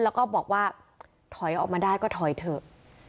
แล้วก็บอกว่าถอยออกมาได้ก็ถอยเถอะ